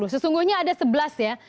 sesungguhnya ada sebelas ya